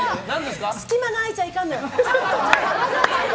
隙間があいちゃいかんのよ。